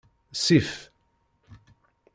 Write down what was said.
Sif.